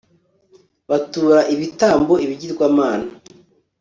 batura ibitambo ibigirwamana